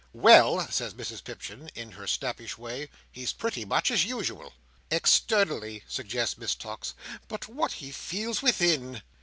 "Well," says Mrs Pipchin, in her snappish way, "he's pretty much as usual." "Externally," suggests Miss Tox "But what he feels within!"